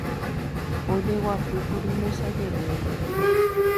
ojeguapýkuri mesa jerére